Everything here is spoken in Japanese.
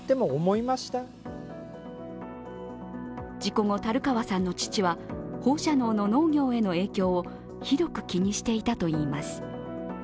事故後、樽川さんの父は放射能の農業への影響をひどく気にしていたといいます。